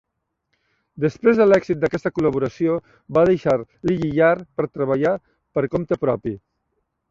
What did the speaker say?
Després de l'èxit d'aquesta col·laboració, va deixar Lillie Yard per treballar per compte propi.